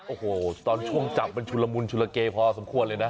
โอ้โหตอนช่วงจับมันชุลมุนชุลเกพอสมควรเลยนะ